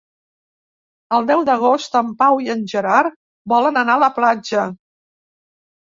El deu d'agost en Pau i en Gerard volen anar a la platja.